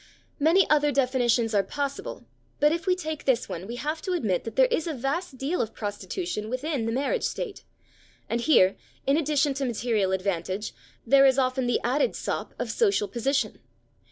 Many other definitions are possible, but if we take this one, we have to admit that there is a vast deal of prostitution within the marriage state, and here, in addition to material advantage, there is often the added sop of social position.